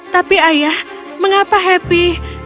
tapi ayah mengapa happy